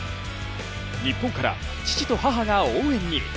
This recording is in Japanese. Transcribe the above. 日本から父と母が応援に。